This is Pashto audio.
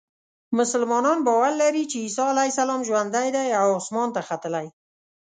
مسلمانان باور لري چې عیسی علیه السلام ژوندی دی او اسمان ته ختلی.